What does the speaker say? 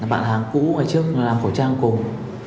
bạn hàng cũ ngày trước làm khẩu trang cùng